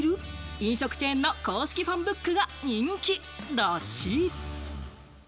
飲食チェーンの公式ファンブックが人気らしい。